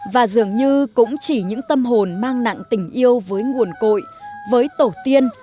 và dường như cũng chỉ những tâm hồn mang nặng tình yêu với nguồn cội với tổ tiên